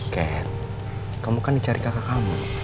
ken kamu kan dicari kakak kamu